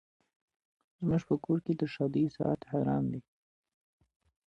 زموږ په کور کي د ښادۍ ساعت حرام دی